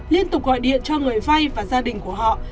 liên tục gọi điện cho người vay và gia đình của họ